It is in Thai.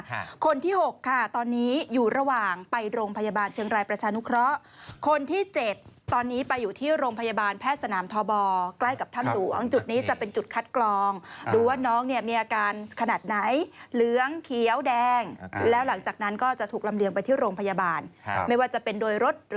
คนที่หกค่ะตอนนี้อยู่ระหว่างไปโรงพยาบาลเชียงรายประชานุเคราะห์คนที่เจ็ดตอนนี้ไปอยู่ที่โรงพยาบาลแพทย์สนามทบใกล้กับถ้ำหลวงจุดนี้จะเป็นจุดคัดกรองดูว่าน้องเนี่ยมีอาการขนาดไหนเหลืองเขียวแดงแล้วหลังจากนั้นก็จะถูกลำเลียงไปที่โรงพยาบาลครับไม่ว่าจะเป็นโดยรถ